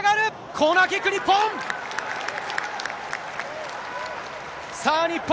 コーナーキック、日本。